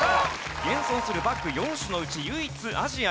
現存するバク４種のうち唯一アジアに生息。